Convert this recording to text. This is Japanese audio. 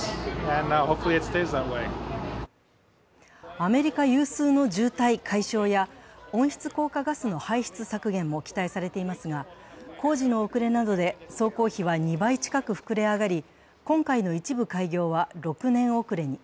アメリカ有数の渋滞解消や温室効果ガスの排出削減も期待されていますが、工事の遅れなどで総工費は２倍近く膨れ上がり、今回の一部開業は６年遅れに。